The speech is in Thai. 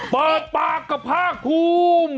เปิดปากกับผ้างคลุม